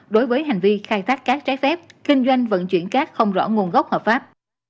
đối với hành vi khai thác cát trái phép kinh doanh vận chuyển cát không rõ nguồn gốc hợp pháp